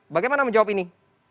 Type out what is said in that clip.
bagaimana menjawab ini